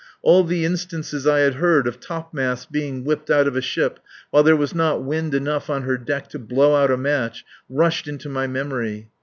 All the instances I had heard of topmasts being whipped out of a ship while there was not wind enough on her deck to blow out a match rushed into my memory.